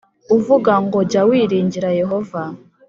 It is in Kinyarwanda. uvuga ngo Jya wiringira Yehova